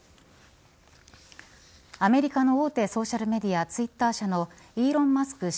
アメリカの大手ソーシャルメディアツイッター社のイーロン・マスク